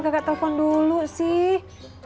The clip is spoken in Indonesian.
gak gak gak telepon dulu sih